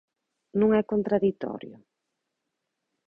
Non é contraditorio?